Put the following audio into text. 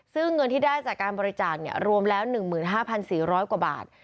ซึ่งเงินที่ได้จากการบริจาครวมแล้ว๑๕๔๐๐กว่าบาท